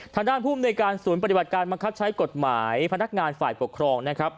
ทางด้านภูมิในการศูนย์ปฏิบัติการบังคับใช้กฎหมายพนักงานฝ่ายปกครองนะครับ